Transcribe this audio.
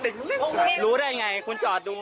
เดี๋ยวไปร้านเลยเดี๋ยวผมจ่ายเลยถัดสี